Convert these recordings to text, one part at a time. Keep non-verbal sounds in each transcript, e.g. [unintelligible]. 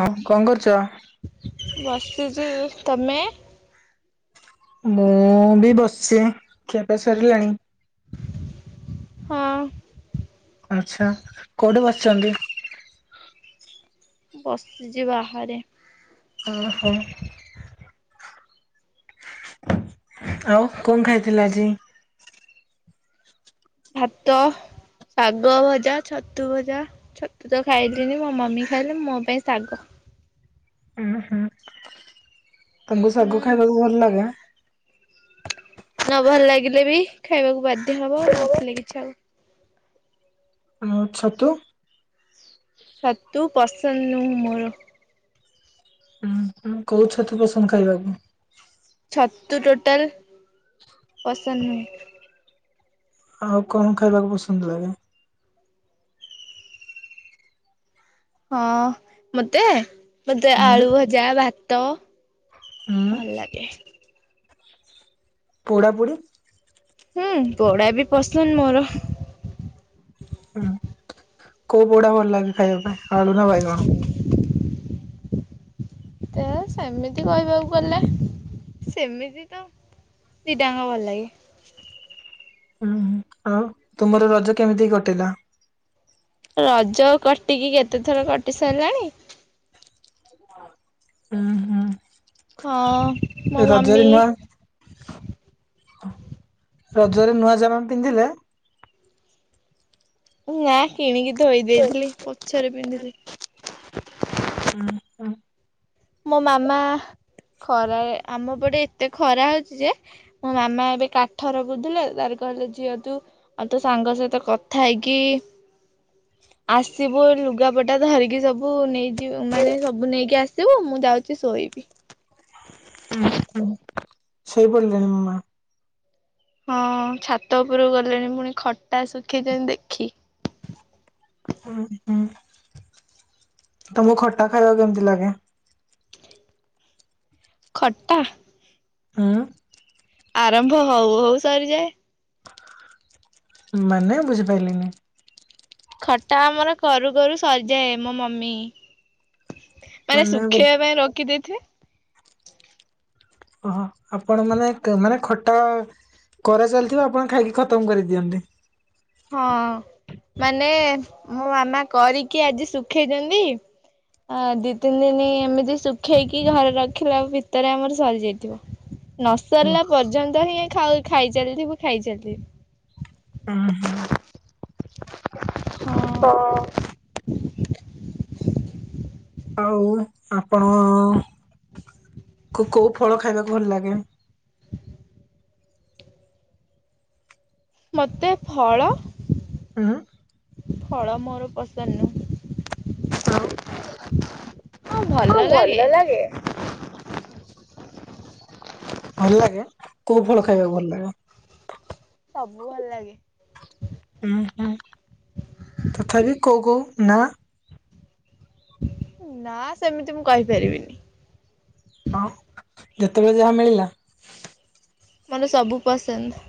ହଁ କଣ କରୁଥିଲ? ବସିଛି ତମେ? ମୁଁ ବି ବସିଚି, ଖିଆପେ ସରିଲାଣି।? ହଁ। ଆଛା କୋଉଠି ବସିଛନ୍ତି? ବସିଛି ବାହାରେ। ଓହୋ। ଆଉ କଣ ଖାଇଥିଲ ଆଜି? ଭାତ ଶାଗ ଭଜା ଛତୁ ଭଜା। ଛତୁ ତ ଖାଇଲିନି ମୋ ମମି ଖାଇଲେ ମୋ ପାଇଁ ଶାଗ। ଉୁଁ ହୁଁ ତାଙ୍କୁ ହୁଁ ଶାଗ ଖାଇବାକୁ ଭଲ ଲାଗେ ଆଁ? ନ ଭଲ ଲାଗିଲେ ବି ଖାଇବାକୁ ବାଧ୍ୟ ହବ ନଥିଲେ କିଛି ଆଉ। ଆ ଛତୁ ଛତୁ ପସନ୍ଦ ନୁହଁ ମୋର। ହୁଁ କଉ ଛତୁ ପସନ୍ଦ ଖାଇବାକୁ? ଛତୁ ଟୋଟାଲ ପସନ୍ଦ ନୁହେଁ। ଆଉ କଣ ଖାଇବାକୁ ପସନ୍ଦ ଲାଗେ? ହଁ ମତେ ମତେ ଉଁ ଆଳୁ ଭଜା ଭାତ। ଉଁ ଭଲ ଲାଗେ। ପୋଡ଼ାପୋଡ଼ି। ହୁଁ ପୋଡା ବି ପସନ୍ଦ ମୋର। ହୁଁ କୋଉ ପୋଡା ଭଲ ଲାଗେ ଖାଇବା ପାଇଁ ଆଳୁ ନା ଭାଇ କଣ? ତ ସେମିତି କହିବାକୁ ଗଲେ ସେମିତି ତ ଦିଟାଙ୍କ ଭଳଲାଗେ। ହୁଁ ଆଉ ତୁମର ରଜ କେମିତି କଟିଲା? ରଜ କଟିକି କେତେଥର କଟି ସାରିଲାଣି। ହୁଁ ହଁ ମୋ ହୁଁ ମମି ରଜରେ ନୂଆ। ରଜରେ ନୂଆ ଜାମା ପିନ୍ଧିଲେ ନା କିଣିକି ଥଇ ଦେଇେଥିଲି ପଛରେ ପିନ୍ଧିଲେ ହୁଁ ହ। ମୋ ମାମା ଖରା ଆମ ପଟେ ଏତେ ଖରା ହୋଉଚି ଯେ ମୋ ମାମା ଏବେ କାଠର ରଖୁଥିଲା, ତାର କହିଲେ ଝିଅ ତୁ ଆଉ ତୋ ସାଙ୍ଗ ସହିତ କଥା ହେଇକି ଆସିବୁ ଲୁଗାପଟା ଧରିକି ସବୁ ନେଇଯିବ ମାନେ ସବୁ ନେଇକି ଆସ ଶିବୁ ମୁଁ ଯାଉଚି ଶୁଖେଇବି। ହୁଁ ହୁଁ। ସେଇ ପଡି [unintelligible] ହଁ ଛାତ ଉପରକୁ ଗଲେ ପୁଣି ଖଟା ଶୁଖେଇଛନ୍ତି। ହୁଁ ହୁଁ। ତମକୁ ଖଟା ଖାଇବାକୁ କେମିତି ଲାଗେ? ଖଟା। ହୁଁ ଆରମ୍ଭ ହଉ ହଉ ସରିଯାଏ। ମାନେ ବୁଝିପାରିଲନି? ଖଟା ଆମର କରୁ କରୁ ସରିଯାଏ ମୋ ମମି। ମାନେ ଶୁଖେଇବା ପାଇଁ ରଖିଦେଇଥିବେ ଓହ ଆପଣ ମାନେ ମାନେ ଖଟା କରା ଚାଲିଥିବ ଆପଣ ଖାଇକି ଖତମ କରିଦେଇଥିବେ। ହଁ ମାନେ ମୋ ମାମା କରିକି ଆଜି ଶୁଖେଇଛନ୍ତି ଦି ତିନି ଦିନ ଏମିତି ଶୁଖେଇକି ଘରେ ରଖିଲେ ଆଉ ଭିତରେ ଆମର ସରିଯାଇଥିବ। ନସରିଲା ପର୍ଯ୍ୟନ୍ତ ହିଁ ଖାଉ ଖାଇଚଲିଥିବୁ ଖାଇଚଲି ହଁ ହୁଁ। ହଁ। ଆଉ ଆପଣ କୋଉ ଫଳ ଖାଇବାକୁ ଭଲ ଲାଗେ? ମତେ ଫଳ ଉଁ ଫଳ ମୋର ପସନ୍ଦ ନୁହେଁ। ହଁ ଭଲ ଲାଗେ। ଭଲ ଲାଗେ କୋଉ ଫଳ ଖାଇବାକୁ ଭଲ ଲାଗେ। ସବୁ ଭଲ ଲାଗେ। ଉଁହୁଁ ତଥାପି କଉ କହୁ ନା। ନା ସେମିତି ମୁଁ କହିପାରିବିନି। ହଁ ଯେତେବେଳେ ଯାହା ମିଳିଲା। ମାନେ ସବୁ ପସନ୍ଦ।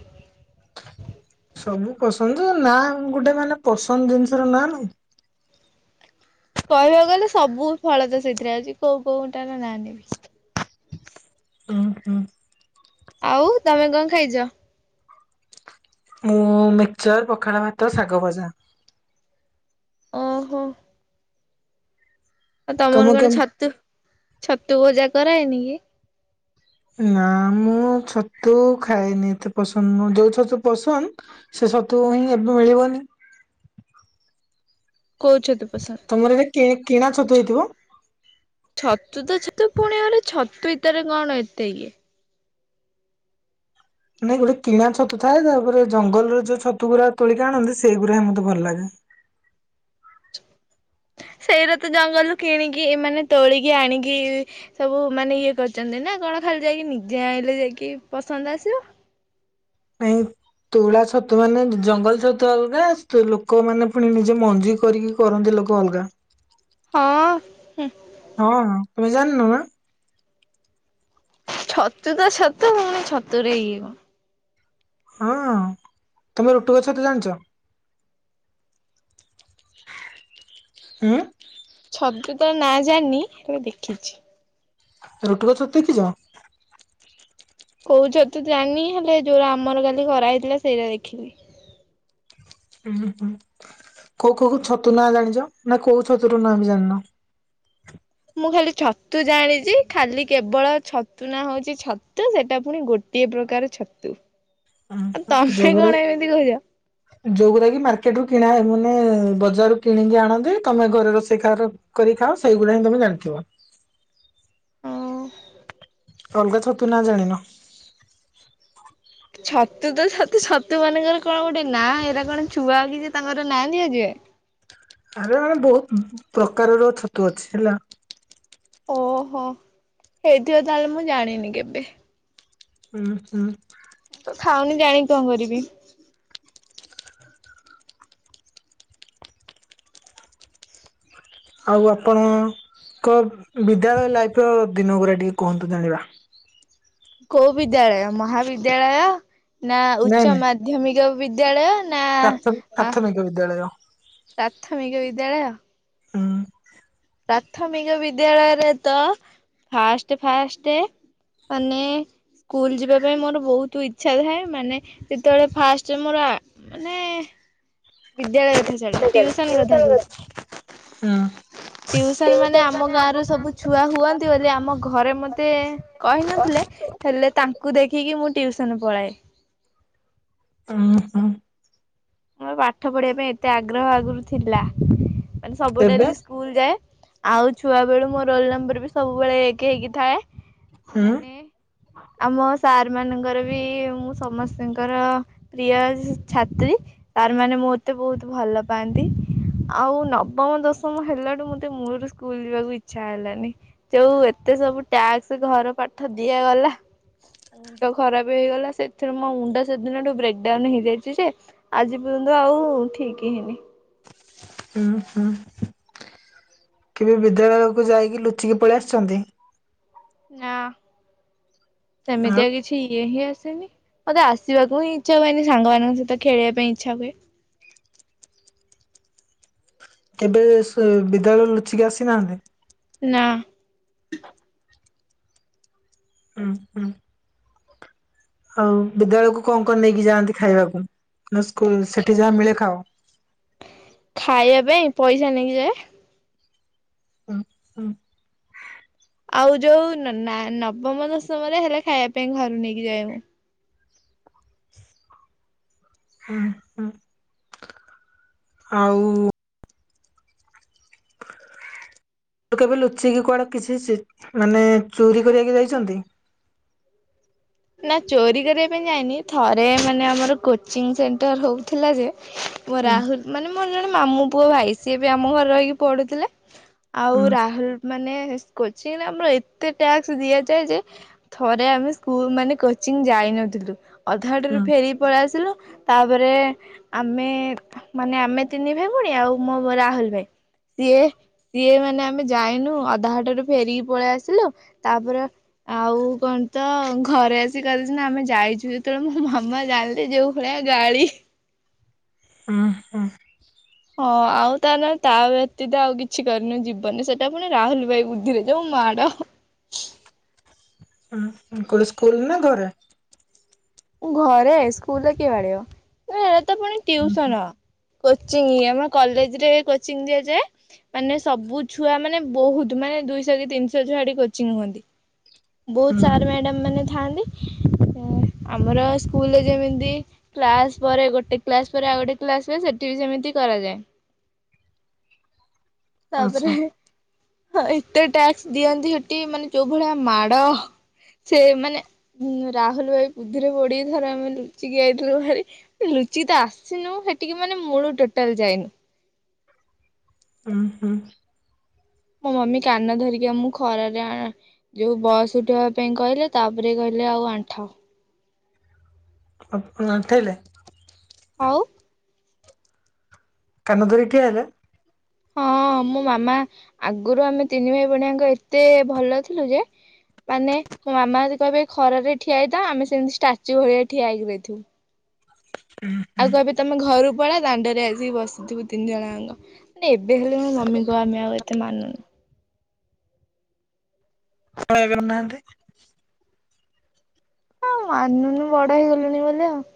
ସବୁ ପସନ୍ଦ ନାଁ ଗୋଟେ ମାନେ ପସନ୍ଦ ଜିନିଷର ନାଁ ନାହିଁ। କହିବାକୁ ଗଲେ ସବୁ ଫଳ ତ ସେଥିରେ ଅଛି କୋଉ କୋଉଟା ନା ନେ ବି। ଉହୁଁ। ଆଉ ତମେ କଣ ଖାଇଛ। ମୁଁ ମିକ୍ଚର ପଖାଳ ଭାତ ଶାଗ ଭଜା। ଓହୋ। ଆଉ ତମର ତମକୁ କଣ କେମ ଛତୁ ଛତୁ ପୂଜା କରାଏନି କି? ନା ମୁଁ ଛତୁ ଖଏନି ଏତେ ପସନ୍ଦ ମୁ ଯୋଉ ଛତୁ ପସନ୍ଦ ସେ ସତୁ ହିଁ ଏବେ ମିଳିବନି। କୋଉ ଛତୁ। ପସନ୍ଦ? ତମର ଏଇଟା କିଣା ଛତୁ ହେଇଥିବ। ଛତୁ ତ ଛତୁ ପୁଣି ଘରେ ଛତୁ ଇତରେ କଣ ଏତେ ଇଏ। ନାଇଁ ଗୋଟେ କିନା ଛତୁ ଥାଏ ତାପରେ ଜଙ୍ଗଲରେ ଯୋଉ ଛୁଡା ତୋଳିକି ଆଣନ୍ତି ସେଇଗୁଡା ହଁ ମୋତେ ଭଲ ଲାଗେ। ସେଇରେ ତ ଜଙ୍ଗଲରୁ କିଣିକି ଏମାନେେ ତୋଳିକି ଆଣିକି ସବୁ ମାନେ ଇଏ କରିଛନ୍ତି ନା କଣ ଖାଲି ଯାଇକି ନିଜେ ଆଇଲେ ଯାଇକି ପସନ୍ଦ ଆସିବ। ପାଇଁ ତୁଳା ଛତୁ ମାନେ ଜଙ୍ଗଲ ଛତୁ ଆଲଗ ଲୋକ ମାନେ ପୁଣି ନିଜେ ମଞ୍ଜିୁର କରିକି କରନ୍ତି ଲୋକ ଅଲଗା। ହଁ ହୁଁ। ହଁ ତୁମେ ଜାଣନ ନା। ଛତୁ ତ ଛତୁ ପୁଣି ଛତୁ ରେ ଇଏ କଣ ହଁ ତମେ ରୁଟୁଗଛ ତ ଜାଣିଛ। ଉଁ ଛତୁ ତ ନାଁ ଜାଣିନି ହେଲେ ଦେଖିଛି। ରୁଟୁକ ଛତୁ ଦେଖିଛ। କହୁଛ ତୁ ଜାଣିନ ହେଲେ ଯୋଉଟା ଆମର କାଲି କରାହେଇଥିଲା ସେଇଟା ଦେଖିଲି। ହୁଁଁ ହୁଁ କୋଉ କୋଉ ଛତୁ ନାଁ ଜାଣିଛ ନା କୋଉ ଛତୁରୁ ନାଁ ବି ଜାଣିନ। ମୁଁ ଖାଲି ଛତୁ ଜାଣିଛି ଖାଲି କେବଳ ଛତୁ ନା ହଉଛି ଛତୁ ସେଟା ପୁଣି ଗୋଟେ ଗୋଟିଏ ପ୍ରକାର ଛତୁ। ଆଉ ତମେ ଜବରେ କଣ ଏମିତି କହୁଛ? ଯୋଉା କି ମାର୍କେଟ ରୁ କିଣା ମାନେ ବଜାରୁ କିଣିକି ଆଣନ୍ତି ତମେ ଘରେ ରୋଷେଇ କ କରି ଖାଅ ସେଇଗୁା ହିଁ ତମେ ଜାଣିଥିବ। ହଁ। ଅଲଗା ଛତୁ ନା ଜାଣିନ। ଛତୁ ତ ତୁ ଛତୁ ମାନଙ୍କର କଣ ଗୋଟେ ନାଁ ଏଇଟା କଣ ଛୁଆ କିଛି ତାଙ୍କର ନାଁ ଦିଆଯଏ। ଆରେ ମାନେ ବହୁତ ପ୍ରକାରର ଛତୁ ଅଛି ହେଲା। ଓହୋ ହେଇଥିବ ତାହେଲେ ମୁଁ ଜାଣିନି କେବେ। ହୁଁ ହୁଁ। ଖାଉନି ଜାଣି କଣ କରିବି? ଆଉ ଆପଣଙ୍କ ବିଦ୍ୟାଳୟ ଲାଇଫ ର ଦିନ ଗୁଡା ଟିକେ କୁହନ୍ତୁ ଜାଣିବା। କୋଉ ବିଦ୍ୟାଳୟ ମହାବିଦ୍ୟାଳୟ ନା ନାଇଁ ଉଚ୍ଚ ନାଇଁ ମାଧ୍ୟମିକ ବିଦ୍ୟାଳୟ। ପ୍ରାଥ ନା ପ୍ରାଥମିକ ବିଦ୍ୟାଳୟ ହୁଁ ପ୍ରାଥମିକ ବିଦ୍ୟାଳୟ। ହଁ। ପ୍ରାଥମିକ ବିଦ୍ୟାଳୟରେ ତ ଫାଷ୍ଟ ଫାଷ୍ଟ ମାନେ ସ୍କୁଲ ଯିବା ପାଇଁ ମୋର ବହୁତ ଇଚ୍ଛା ଥାଏ ମାନେ ଯେତେବେଳେ ଫାଷ୍ଟ ମୋର ଆ ମାନେ ବିଦ୍ୟାଳୟ କଥା ଛାଡ ଟିୁଉସନ କଥା କହୁଛି। ହୁଁ। ଟିଉସନ ମାନେ ଆମ ଗାଁରୁ ସବୁ ଛୁଆ ହୁଅନ୍ତି ବୋଲି ଆମ ଘରେ ମତେ କହିନଥିଲେ ହେଲେ ତାଙ୍କୁ ଦେଖିକି ମୁଁ ଟିଉସନ ପଳାଏ। ଉଁ ହୁଁ। ମୋର ପାଠ ପଢିବା ପାଇଁ ଏତେ ଆଗ୍ରହ ଆଗରୁ ଥିଲା ମାନେ ସବୁ ଡେ ଏବେ ସ୍କୁଲ ଯାଏ ଆଉ ଛୁଆ ବେଳୁ ମୋ ରୋଲ ନମ୍ବର ବି ସବୁବେଳେ ଏକ ହେଇକି ଥାଏ। ହୁଁ ମାନେ ଆମ ସାର୍ ମାନଙ୍କର ବି ମୁଁ ସମସ୍ତଙ୍କର ପ୍ରିୟ ଛାତ୍ରୀ ସାର ମାନେ ମୋତେ ବହୁତ ଭଲ ପାଆନ୍ତି। ଆଉ ନବମ ଦଶମ ହେଲାଠୁ ମତେ ମୂଳରୁ ସ୍କୁଲ ଯିବାକୁ ଇଚ୍ଛା ହେଲାନି। ଯୋଉ ଏତେ ସବୁ ଟ୍ୟାକ୍ସ ଘର ପାଠ ଦିଆଗଲା। ମୁଣ୍ଡ ଖରାପ ହେଇଗଲା ସେଥିରୁ ମୋ ମୁଣ୍ଡ ସେଦିନ ବ୍ରେକଡାଉନ ହେଇଯାଇଛି ଯେ ଆଜି ପର୍ଯ୍ୟନ୍ତ ଆଉ ଠିକ ହେଇନି। ହୁଁ ହୁଁ କେବେ ବିଦ୍ୟାଳୟକୁ ଯାଇକି ଲୁଚିକି ପଳେଇ ଆସିଛନ୍ତି? ନା ଆଉ ସେମିତିଆ କିଛି କିଛି ଇଏ ହିଁ ଆସେନି ମତେ ଆସିବାକୁ ହିଁ ଇଚ୍ଛା ହୁଏନି ସାଙ୍ଗମାନଙ୍କ ସହିତ ଖେଳିବା ପାଇଁ ଇଚ୍ଛା ହୁଏ। କେବେ ବିଦ୍ୟାଳୟ ରୁ ଲୁଚିକି ଆସିନାହାନ୍ତି? ନା। ଉଁ ହୁଁ। ଆଉ ବିଦ୍ୟାଳୟକୁ କଣ କଣ ନେଇକି ଯାଆନ୍ତି ଖାଇବାକୁ ନା ସ୍କୁଲ ସେଠି ଯାହା ମିଳେ ଖାଅ। ଖାଇବା ପାଇଁ ପଇସା ନେଇକି ଯାଏ। ହୁଁ ହୁଁ। ଆଉ ଯୋଉ ନା ନବମ ଦଶମରେ ହେଲେ ଖାଇବା ପାଇଁ ଘରୁ ନେଇକି ଯାଏ ମୁଁ। ହଁ ହଁ ଆଉ ତ କେବେ ଲୁଚିକି କୁଆଡେ କିଛି ମାନେ ଚୋରି କରିବାକି ଯାଇଛନ୍ତି? ନା ଚୋରି କରିବା ପାଇଁ ଯାଇନି, ଥରେ ମାନେ ଆମର କୋଚିଂ ସେଣ୍ଟର ହଉଥିଲା ଯେ ମୋ ହୁଁ ରାହୁଲ ମାନେ ମୋର ଜଣେ ମାମୁ ପୁଅ ଭାଇ ସିଏ ବି ଆମ ଘରେ ରହିକି ପଢୁଥିଲା। ଆଉ ହୁଁ ରାହୁଲ ମାନେ କୋଚିଂ ଆମର ଏତେ ଟ୍ଯାସ୍କ ଦିଆଯାଏ ଯେ ଥରେ ଆମେ ସ୍କୁଲ ମାନେ କୋଚିଂ ଯାଇନଥିଲୁ ଅଧା ହୁଁ ବାଟରୁ ଫେରିକି ପଳେଇ ଆସିଲୁ ତାପରେ ଆମେ ମାନେ ଆମେ ତିନି ଭାଇ ଭଉଣୀ, ଆଉ ମୋ ରାହୁଲ ଭାଇ। ସିଏ ସିଏ ମାନେ ଆମେ ଯାଇନୁ ଅଧାଘାଟାରୁ ଫେରିକି ପଳେଇ ଆସିଲୁ, ତାପରେ ଆଉ କଣ ତ ଘରେ ଆସି କହିଲୁ ସିନା ଆମେ ଯାଇଛୁ, ଯେତେବେଳେ ମୋ ମାମା ଜାଣିଲେ ଯେଉ ଭଳିଆ ଗାଳି ହଁ ହଁ। ହଁ ଆଉ ତା ନଲେ ତା ବ୍ୟତୀତ ଆଉ କିଛି କରିନୁ ଜୀବନରେ ସେଟା ପୁଣି ରାହୁଲ ଭାଇ ବୁଦ୍ଧିରେ ଯୋଉ ମାଡ। ହୁଁ କୋଉ ସ୍କୁଲ ନା ଘରେ ଘରେ, ସ୍କୁଲରେ କିଏ ବାଡେଇବ ଏ ତ ପୁଣି ହୁଁ ଟିୟୁସନ। କୋଚିଂ, ଆମ କଲେଜ ରେ କୋଚିଂ ଦିଆଯାଏ। ମାନେ ସବୁ ଛୁଆ ମାନେ ବହୁତ ମାନେ ଦୁଇଶହ କି ତିନିଶହ ଛୁଆ ସେଟି କୋଚିଂ ହୁଅନ୍ତି। ବହୁତ ହୁଁ ସାର ମ୍ୟାଡାମ ମାନେ ଥାଆନ୍ତି। [unintelligible] ଆମର ସ୍କୁଲରେ ଯେମିତି କ୍ଲାସ ପରେ ଗୋଟେ କ୍ଲାସ ପରେ ଆଉ ଗୋଟେ କ୍ଲାସ ହୁଏ, ସେଠି ବି ସେମିତି କରାଯାଏ। [inaudible] ତାପରେ ହଁ ଏତେ ଟ୍ୟାକ୍ସ ଦିଅନ୍ତି ହେଠି, ମାନେ ଯୋଉ ଭଳିଆ ମାଡ। ସେ ମାନେ ରାହୁଲ ଭାଇ ବୁଦ୍ଧିରେ ପଡି ଥର ଆମେ ଲୁଚିକି ଆଇଥିଲୁ ଭାରି। ଲୁଚିକି ତ ଆସିନୁ ହେଟିକି ମାନେ ମୂଳୁରୁ ଟୋଟାଲ ଯାଇନୁ। ଉଁ ହୁଁ ମୋ ମମି କାନ ଧରିକି ଆମକୁ ଖରାରେ ଆ ଯୋଉ ବସ ଉଠ ହବାପାଇଁ କହିଲେ ତାପରେ କହିଲେ ଆଉ ଆଣ୍ଠାଅ। ଆପଣ ଆଣ୍ଠେଇଲେ। ଆଉ କାନଧରିକି ଠିଆହେଇଥା। ହଁ ମୋ ମାମା ଆଗରୁ ଆମେ ତିନି ଭାଇ ଭୋଉଣୀ ଜାଙ୍କ ଏତେ ଭଲ ଥିଲୁ ଯେ ମାନେ ମୋ ମାମା ଯଦି କହିବେ ଖରାରେ ଠିଆ ହେଇଥାଅ। ଆମେ ସେମିତି ଷ୍ଟାଚୁ ଭଳିଆ ଠିଆହେଇ କି ରହିଥିବୁ। ଆଉ କହିବେ ତମେ ଘରୁ ପଳା, ଦାଣ୍ଡରେ ଆସିକି ବସିଥିବୁ ତିନି ଜଣଜାଙ୍କ। ଏବେ ହେଲେ ମୋ ମମି କୁ ଆମେ ଆଉ ଏତେ ମାନୁନୁ। ଆପଣ ଏବେ ମାନୁ ନାହାନ୍ତି। ହଁ ମାନୁନୁ ବଡ [unintelligible]